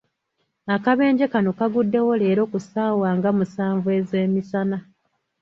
Akabenje kano kaguddewo leero ku ssaawa nga musanvu ezeemisana.